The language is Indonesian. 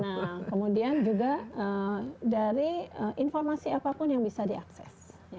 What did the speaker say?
nah kemudian juga dari informasi apapun yang bisa diakses